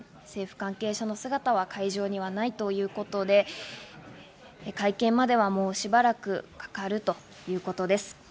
関係者の姿は会場にはないということで、会見まではもうしばらくかかるということです。